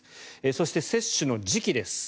そして、接種の時期です。